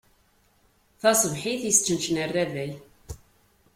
Taṣebḥit, isčenčen rrabay.